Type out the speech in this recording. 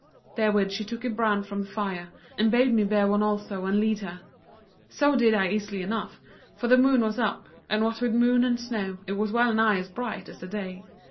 Therewith she took a brand from the fire, and bade me bear one also and lead her: so did I easily enough, for the moon was up, and what with moon and snow, it was well nigh as bright as the day.